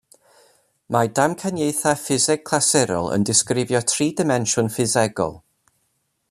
Mae damcaniaethau ffiseg clasurol yn disgrifio tri dimensiwn ffisegol.